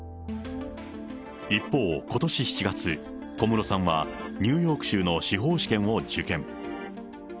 一方、ことし７月、小室さんはニューヨーク州の司法試験を受験。